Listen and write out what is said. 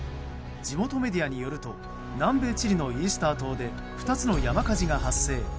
地元メディアによると南米チリのイースター島で２つの山火事が発生。